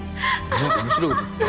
何か面白いこと言った？